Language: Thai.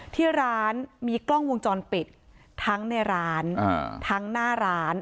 ที่ร้านมีกล้องวงจรปิดทั้งในร้านทั้งหน้าร้าน